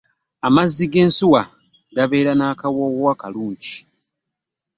Amazzi ge nsuwa gabeera nakawoowo akalungi.